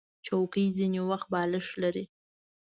چوکۍ ځینې وخت بالښت لري.